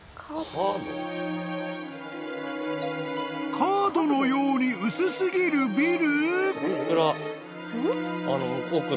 ［カードのように薄すぎるビル！？］